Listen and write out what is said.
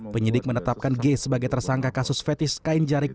penyidik menetapkan g sebagai tersangka kasus fetis kain jarik